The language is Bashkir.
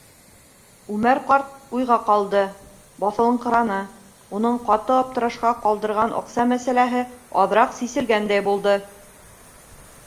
Үмәр ҡарт уйға ҡалды, баҫылыңҡыраны, уны ҡаты аптырашҡа ҡалдырған аҡса мәсьәләһе аҙыраҡ сиселгәндәй булды.